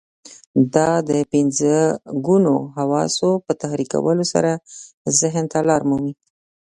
دا د پنځه ګونو حواسو په تحريکولو سره ذهن ته لار مومي.